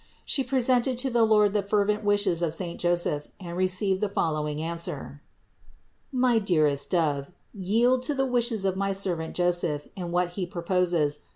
She presented to the Lord the fervent wishes of saint Joseph and received the following answer : "My dearest Dove, yield to the wishes of my servant Joseph in what he proposes.